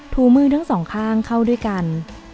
ถูมือทั้งสองข้างเข้าด้วยกัน